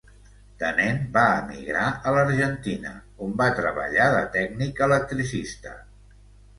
De nen va emigrar a l'Argentina, on va treballar de tècnic electricista.